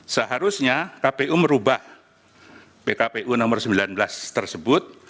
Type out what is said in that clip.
seharusnya kpu merubah pkpu nomor sembilan belas tersebut